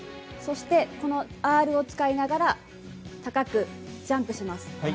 そして、アールを使いながら高くジャンプします。